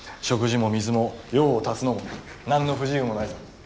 食事も水も用を足すのも何の不自由もないさ。